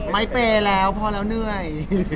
ไม่เปย์แล้วพอแล้วเหนื่อย